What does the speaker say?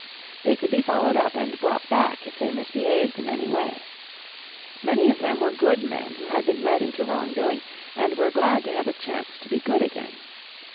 They could be followed up and brought back if they misbehaved in any way. Many of them were good men who had been led into wrong doing and were glad to have a chance to be good again.